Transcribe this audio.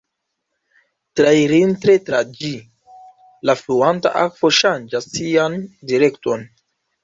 Trairinte tra ĝi, la fluanta akvo ŝanĝas sian direkton.